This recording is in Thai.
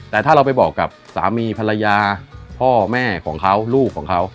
แต่ถ้าเราไปบอกกับสามีภรรยาพ่อแม่ของเขาลูกของเขา